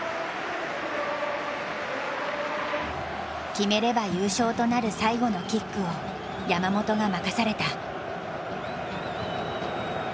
決めれば優勝となる最後のキックを山本が任された。